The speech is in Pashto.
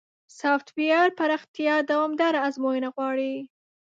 سافټویر پراختیا دوامداره ازموینه غواړي.